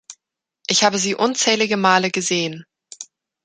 Ich habe sie unzählige Male gesehen!